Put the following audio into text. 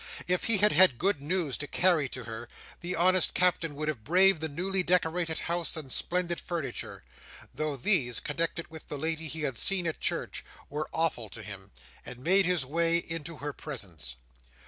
If he had had good news to carry to her, the honest Captain would have braved the newly decorated house and splendid furniture—though these, connected with the lady he had seen at church, were awful to him—and made his way into her presence.